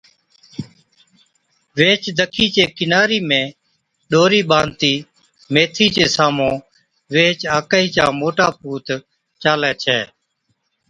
ويھِچ دکِي چي ڪِناري ۾ ڏورِي ٻانڌتِي ميٿِي چي سامھُون ويھِچ آڪھِي چا موٽا پُوت چالَي ڇَي